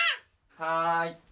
はい。